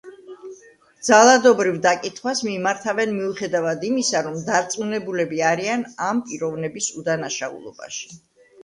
ძალადობრივ დაკითხვას მიმართავენ მიუხედავად იმისა, რომ დარწმუნებულები არიან ამ პიროვნების უდანაშაულობაში.